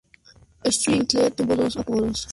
Entwistle tuvo dos apodos durante su carrera como músico.